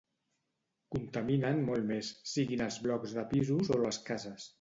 Contaminen molt més, siguin els blocs de pisos o les cases.